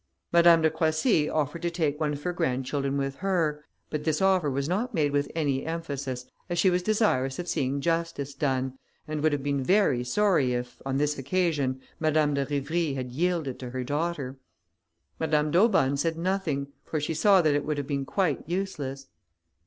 Madame de Croissy offered to take one of her grandchildren with her, but this offer was not made with any emphasis, as she was desirous of seeing justice done, and would have been very sorry if, on this occasion, Madame de Rivry had yielded to her daughter. Madame d'Aubonne said nothing, for she saw that it would have been quite useless.